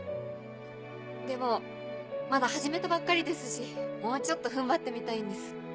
でもまだ始めたばっかりですしもうちょっと踏ん張ってみたいんです。